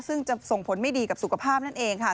ซึ่งจะส่งผลไม่ดีกับสุขภาพนั่นเองค่ะ